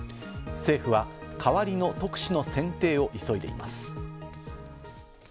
政府は代わりの特使の選定を急いでいます。